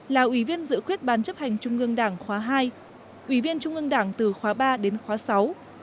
là ủy viên dự khuyết ban chấp hành trung ương đảng khóa hai ủy viên trung ương đảng từ khóa ba đến khóa sáu